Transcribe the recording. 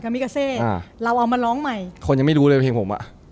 มิกาเซอ่าเราเอามาร้องใหม่คนยังไม่รู้เลยเพลงผมอ่ะ